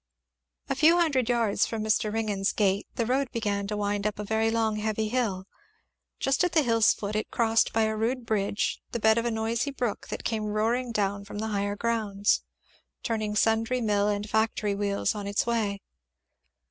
A few hundred yards from Mr. Ringgan's gate the road began to wind up a very long heavy hill. Just at the hill's foot it crossed by a rude bridge the bed of a noisy brook that came roaring down from the higher grounds, turning sundry mill and factory wheels in its way.